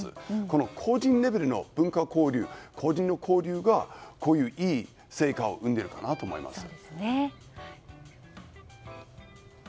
この個人レベルの文化交流個人の交流がこういういい成果を生んでいるかなと思います。